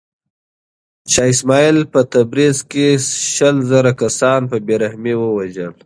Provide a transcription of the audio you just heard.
شاه اسماعیل په تبریز کې شل زره کسان په بې رحمۍ ووژل.